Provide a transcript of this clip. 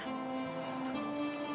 karena abah kamu udah